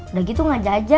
udah gitu gak jajan